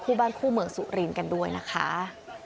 บ้านคู่เมืองสุรินทร์กันด้วยนะคะ